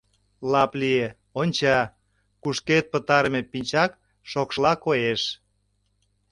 Лап лие, онча, кушкед пытарыме пинчак шокшла коеш.